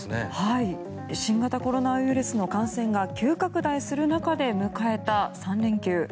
新型コロナウイルスの感染が急拡大する中で迎えた３連休。